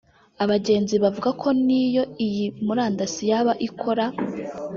abagenzi bavuga ko n’iyo iyi murandasi yaba ikora